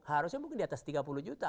harusnya mungkin diatas tiga puluh juta